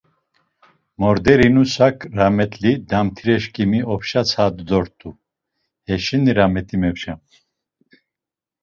Morderi nusak, ramet̆li damtireşǩimi opşa tsadu dort̆u, heşeni ramet̆i mepçam.